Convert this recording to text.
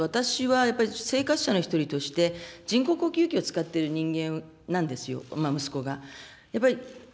なぜかというと、私はやっぱり生活者の一人として、人工呼吸器を使っている人間なんですよ、息子が。